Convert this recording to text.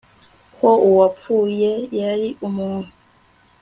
ko uwapfuye yari umuntu